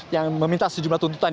yang meminta sejumlah tuntutan